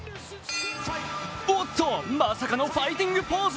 おっと、まさかのファイティングポーズ。